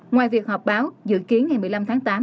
ngoài việc họp báo dự kiến ngày một mươi năm tháng tám